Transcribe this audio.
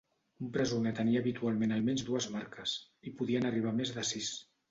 Un presoner tenia habitualment almenys dues marques, i podien arribar a més de sis.